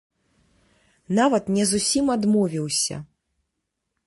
Нават не зусім адмовіўся.